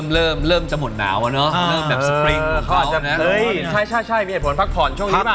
เริ่มเริ่มจะหมดหนาวอะเนาะเริ่มแบบสปริงแล้วก็อาจจะใช่ใช่มีเหตุผลพักผ่อนช่วงนี้ป่